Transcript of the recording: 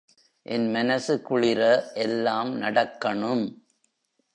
என் மனசு குளிர எல்லாம் நடக்கணும்.